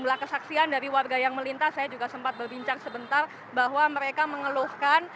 jumlah kesaksian dari warga yang melintas saya juga sempat berbincang sebentar bahwa mereka mengeluhkan